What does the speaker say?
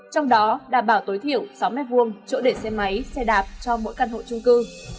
trong đó đảm bảo tối thiểu sáu m hai chỗ để xe máy xe đạp cho mỗi căn hộ trung cư